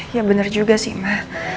ya bener juga sih ma